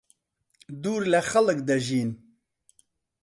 دوور لەخەڵک دەژین.